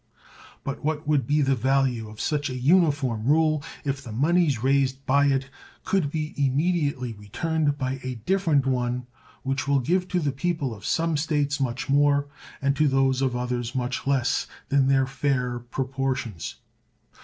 But what would be the value of such a uniform rule if the moneys raised by it could be immediately returned by a different one which will give to the people of some States much more and to those of others much less than their fair proportions?